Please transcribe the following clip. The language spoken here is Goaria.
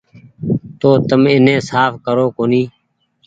تو تم ايني ساڦ ڪرو ڪونيٚ ۔